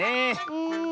うん。